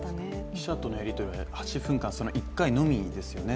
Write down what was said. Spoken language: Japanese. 記者とのやり取りは８分間その１回のみですよね。